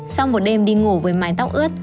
sau một đêm đi ngủ với mái tóc ướt